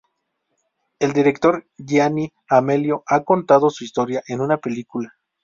El director Gianni Amelio ha contado su historia en una película.